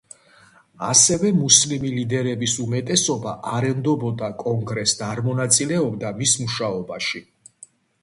ასევე მუსლიმი ლიდერების უმეტესობა არ ენდობოდა კონგრესს და არ მონაწილეობდა მის მუშაობაში.